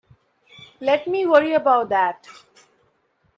Let me worry about that.